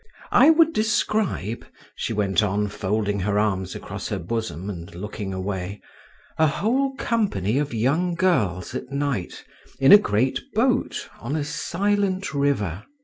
"I would describe," she went on, folding her arms across her bosom and looking away, "a whole company of young girls at night in a great boat, on a silent river.